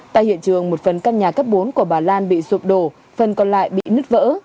tại hiện trường một phần căn nhà cấp bốn của bà lan bị sụp đổ phần còn lại bị nứt vỡ